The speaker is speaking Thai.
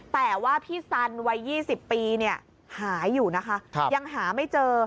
แต่ว่าพี่สันวัย๒๐ปีหายอยู่นะคะยังหาไม่เจอ